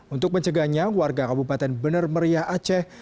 untuk mencegahnya warga kabupaten benar meriah aceh